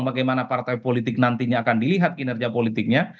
bagaimana partai politik nantinya akan dilihat kinerja politiknya